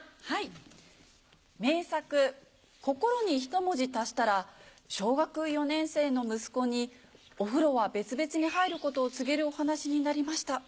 名作『こころ』にひと文字足したら小学４年生の息子にお風呂は別々に入ることを告げるお話になりました。